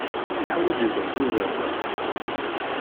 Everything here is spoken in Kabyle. Yeḥwaǧ-ikent Yuba da.